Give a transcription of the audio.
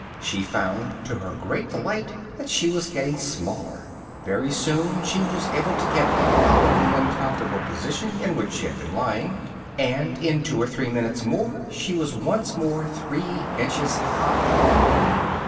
she found to her great delight that she was getting smaller: very soon she was able to get up out of the uncomfortable position in which she had been lying, and in two or three minutes more she was once more three inches high.